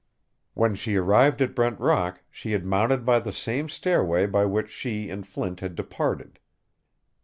When she arrived at Brent Rock she had mounted by the same stairway by which she and Flint had departed.